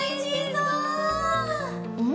うん？